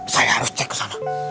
saya harus cek kesana